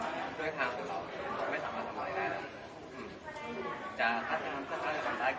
อืมจากนั้นมันก็ต้องได้อยู่เข้ามาแจ้งของแต่เดี๋ยวเกียรติภาพมันจะต้องแบ่งแยกถึงสองอย่าง